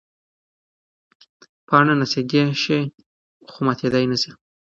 پاڼه نڅېدی شي خو ماتېدی نه شي.